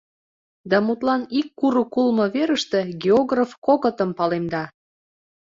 Да, мутлан, ик курык улмо верыште географ кокытым палемда.